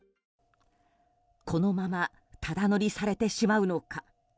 このままタダ乗りされてしまうのか。